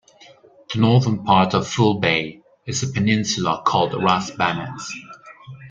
The northern part of Foul Bay is a peninsula called Ras Banas.